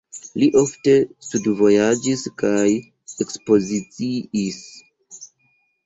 Li ofte studvojaĝis kaj ekspoziciis.